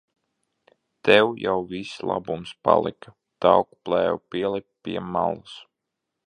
Tev jau viss labums palika. Tauku plēve pielipa pie malas.